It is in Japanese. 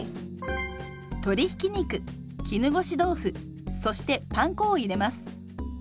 鶏ひき肉絹ごし豆腐そしてパン粉を入れます。